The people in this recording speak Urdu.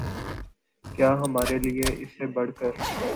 کیا ہمارے لیے اس سے بڑھ کر